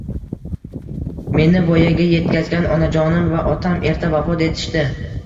Meni voyaga yetkazgan onajonim va otam erta vafot etishdi.